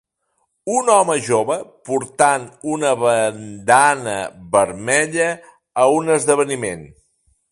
Un home jove portant una bandana vermella a un esdeveniment.